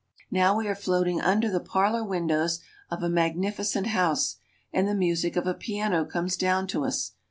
Now we are floating under the parlor windows of a magnificent house, and the music of a piano comes down to us.